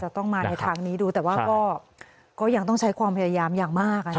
ต้องมาในทางนี้ดูแต่ว่าก็ยังต้องใช้ความพยายามอย่างมาก